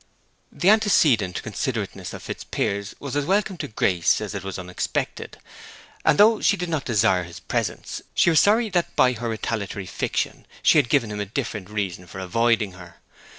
This antecedent considerateness in Fitzpiers was as welcome to Grace as it was unexpected; and though she did not desire his presence, she was sorry that by her retaliatory fiction she had given him a different reason for avoiding her.